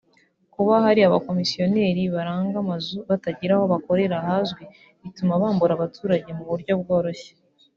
Kuba hari abakomisiyoneri baranga amazu batagira aho bakorera hazwi bituma bambura abaturage mu buryo bworoshye